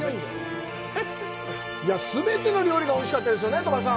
全ての料理がおいしかったですよね、鳥羽さん。